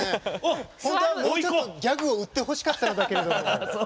本当はもうちょっとギャグを売ってほしかったのだけれども。